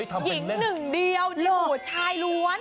หญิงหนึ่งเดียวหลู่ชายล้วน